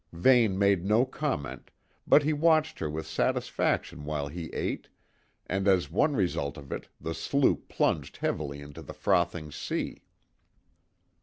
Vane made no comment, but he watched her with satisfaction while he ate, and as one result of it the sloop plunged heavily into the frothing sea.